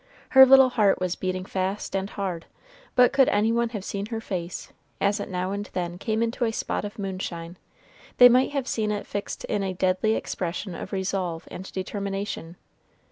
Her little heart was beating fast and hard; but could any one have seen her face, as it now and then came into a spot of moonshine, they might have seen it fixed in a deadly expression of resolve and determination.